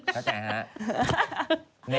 คับใจฮะ